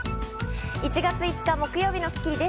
１月５日、木曜日の『スッキリ』です。